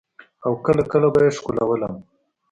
او کله کله به يې ښکلولم.